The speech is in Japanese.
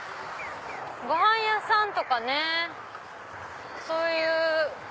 ごはん屋さんとかねそういう。